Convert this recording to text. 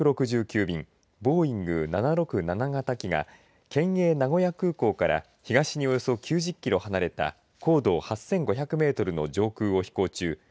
便ボーイング７６７型機が県営名古屋空港から東におよそ９０キロ離れた高度８５００メートルの上空を飛行中